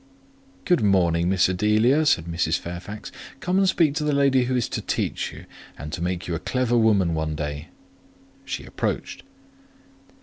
"Good morning, Miss Adela," said Mrs. Fairfax. "Come and speak to the lady who is to teach you, and to make you a clever woman some day." She approached.